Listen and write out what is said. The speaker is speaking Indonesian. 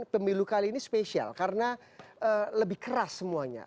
pemilu kali ini spesial karena lebih keras semuanya